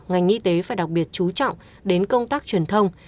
ngành y tế phải đặc biệt chú trọng đến công tác truyền thông